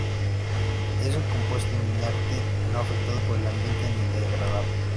Es un compuesto inerte no afectado por el ambiente ni degradado.